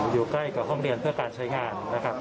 อยู่ใกล้กับห้องเรียนเพื่อการใช้งานนะครับ